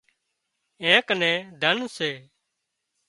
اين ڪنين ڌنَ سي